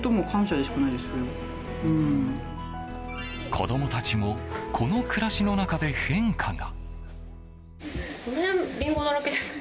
子供たちもこの暮らしの中で変化が。